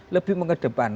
lebih mengedepankan dialog